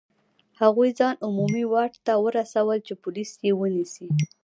هغوی ځان عمومي واټ ته ورسول چې پولیس یې ونیسي.